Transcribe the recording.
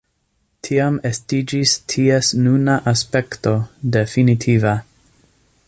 Tiam estiĝis ties nuna aspekto definitiva.